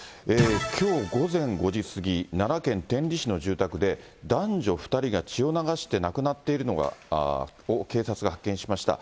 きょう午前５時過ぎ、奈良県天理市の住宅で、男女２人が血を流して亡くなっているのを警察が発見しました。